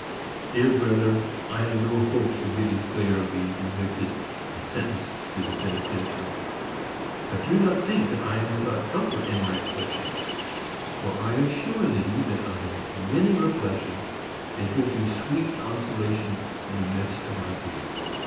Dear brother, I have no hopes of getting clear of being convicted and sentenced to the penitentiary; but do not think that I am without comfort in my afflictions, for I assure thee that I have many reflections that give me sweet consolation in the midst of my grief.